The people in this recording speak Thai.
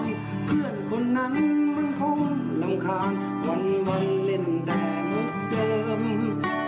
เพื่อนคนนั้นมันคงรำคาญวันเล่นแต่เหมือนเดิม